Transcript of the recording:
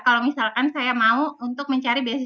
kalau misalkan saya mau untuk mencari beasiswa